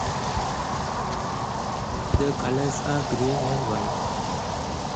The colors are green and white.